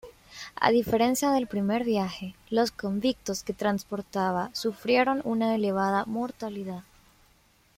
A diferencia del primer viaje, los convictos que transportaba sufrieron una elevada mortalidad.